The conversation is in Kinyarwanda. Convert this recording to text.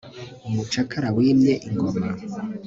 umucakara wimye ingoma